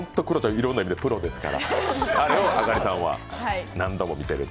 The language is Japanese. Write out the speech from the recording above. いろんな意味でプロですから、あかりさんは何度も見てると。